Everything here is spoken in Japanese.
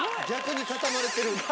逆に固まってる。